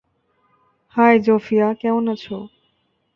High, Zofia কেমন আছো?